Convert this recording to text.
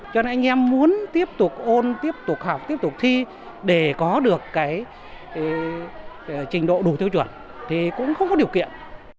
cho nên anh em muốn tiếp tục ôn tiếp tục học tiếp tục thi để có được cái trình độ đủ tiêu chuẩn thì cũng không có điều kiện